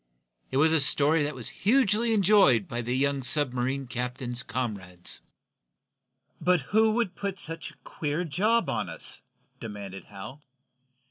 It was a story that was hugely enjoyed by the young submarine captain's comrades. "But who would put up such a queer job on us?" demanded Hal.